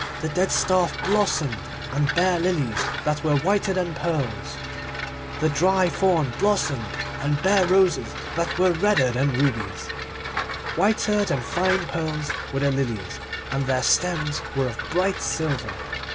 The dead staff blossomed, and bare lilies that were whiter than pearls. The dry thorn blossomed, and bare roses that were redder than rubies. Whiter than fine pearls were the lilies, and their stems were of bright silver.